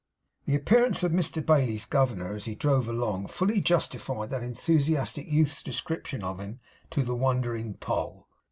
The appearance of Mr Bailey's governor as he drove along fully justified that enthusiastic youth's description of him to the wondering Poll.